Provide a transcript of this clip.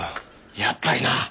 やっぱりな。